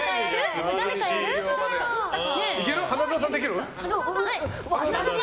花澤さんできる？